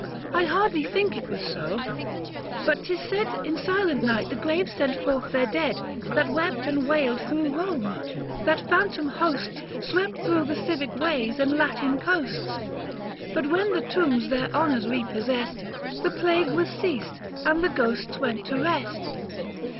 I hardly think it was so ; but 'tis said In silent night the graves sent forth their dead [590 That wept and wailed thro' Home ; that phantom hosts Swept thro' the civic ways and Latin coasts ; But when the tombs their honours repossessed, The plague was ceased, and the ghosts w r ent to rest.